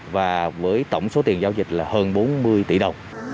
với tổng số tiền giao dịch hơn bốn mươi tỷ đồng